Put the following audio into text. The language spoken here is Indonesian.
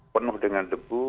penuh dengan debu